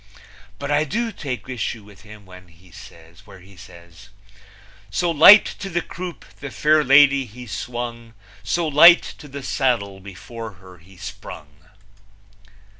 But I do take issue with him where he says: So light to the croupe the fair lady he swung, So light to the saddle before her he sprung!